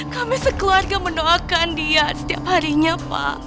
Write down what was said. kami sekeluarga mendoakan dia setiap harinya pak